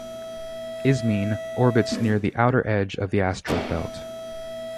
Ismene orbits near the outer edge of the asteroid belt.